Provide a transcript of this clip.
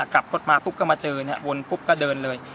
กลับรถมาปุ๊บก็มาเจอวนปุ๊บก็เดินเลย